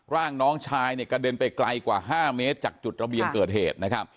ร่างน้องชายเนี่ยกระเด็นไปไกลกว่า๕เมตรจากจุดระเบียงเกิดเหตุนะครับ